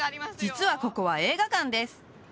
実はここは映画館です